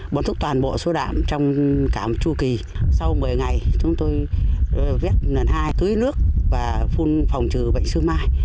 bón thúc toàn bộ số đạm trong cả một chùa kỳ sau một mươi ngày chúng tôi viết nền hai tưới nước và phun phòng trừ bệnh xương mai